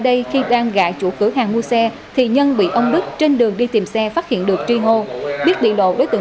đây là những đối tượng chuyên hành nghề kéo tôm ướn